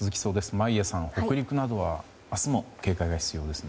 眞家さん北陸などは明日も警戒が必要ですね。